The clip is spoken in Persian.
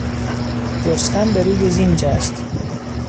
رستم به روی زین جست.